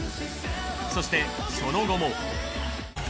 そしてその後も。